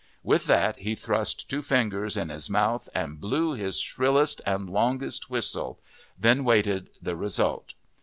With that he thrust two fingers in his mouth and blew his shrillest and longest whistle, then waited the result.